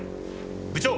部長！